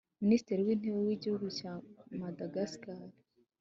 Minisitiri w’Intebe w’igihugu cya Madagascar